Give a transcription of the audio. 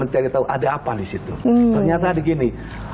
dan itu ada lagunya juga loh